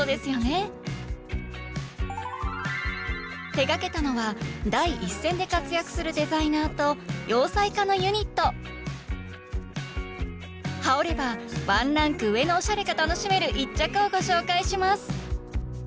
手がけたのは第一線で活躍するデザイナーと洋裁家のユニット羽織ればワンランク上のオシャレが楽しめる一着をご紹介します